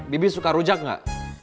bibi suka rujak nggak